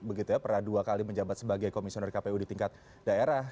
begitu ya pernah dua kali menjabat sebagai komisioner kpu di tingkat daerah